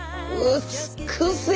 美しい！